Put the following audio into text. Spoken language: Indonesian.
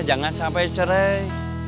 jangan sampai cerai